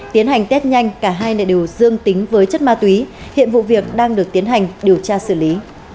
tiến hành test nhanh cả hai đều dương tính với chất ma túy hiện vụ việc đang được tiến hành điều tra xử lý